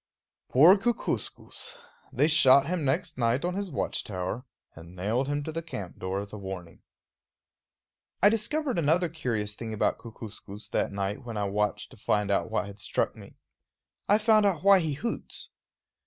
Poor Kookooskoos! they shot him next night on his watch tower, and nailed him to the camp door as a warning. I discovered another curious thing about Kookooskoos that night when I watched to find out what had struck me. I found out why he hoots.